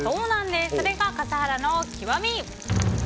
それが笠原の極み！